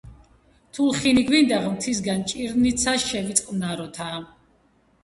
თუ ლხინი გვინდა ღმრთისაგან, ჭირნიცა შევიწყნაროთა.